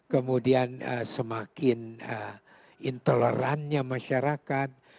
kemudian semakin intolerannya masyarakat